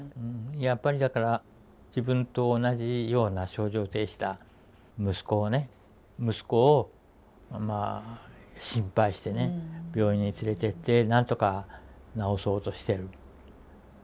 やっぱりだから自分と同じような症状を呈した息子を心配してね病院に連れて行って何とか治そうとしてる。